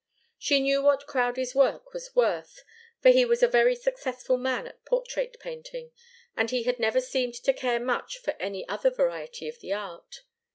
She knew what Crowdie's work was worth, for he was a very successful man at portrait painting, and he had never seemed to care much for any other variety of the art.